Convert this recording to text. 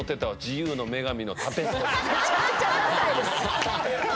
めちゃくちゃダサいです。